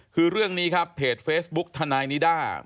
คือเรื่องนี้ครับเพจเฟซบุ๊กทนายนิด้า